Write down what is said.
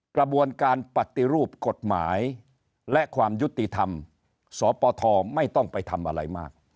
กระบวนการปฏิรูปกฎหมายและความยุติธรรมสปทไม่ต้องไปทำอะไรมาก